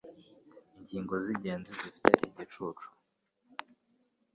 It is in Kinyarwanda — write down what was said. ingingo zigenga zifite igicucu